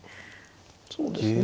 そうですね。